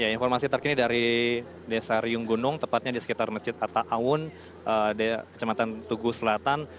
informasi terkini dari desa riung gunung tepatnya di sekitar masjid atta awun kecamatan tugu selatan